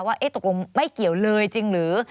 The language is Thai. ว่าตกลงไม่เกี่ยวเลยจริงหรือ